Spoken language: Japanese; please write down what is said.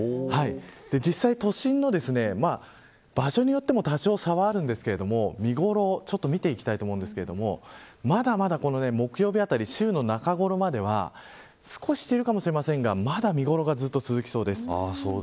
実際、都心の場所によっても多少差はあるんですが見頃を見ていきたいと思うんですけれどもまだまだ木曜日あたり週の中頃までは少し散るかもしれませんが見頃がずっと続きそうです。